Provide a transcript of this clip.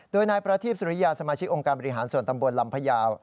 โดยนายประทีปสุริยาสมาชิกองค์การบริหารส่วนตำบลลำพยาว